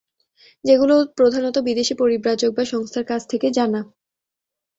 যেগুলো প্রধানত বিদেশী পরিব্রাজক বা সংস্থার কাছ থেকে জানা।